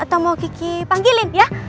atau mau kiki panggilin ya